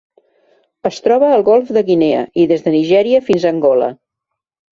Es troba al Golf de Guinea i des de Nigèria fins a Angola.